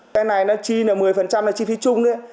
cái này nó chi là một mươi là chi phí chung nữa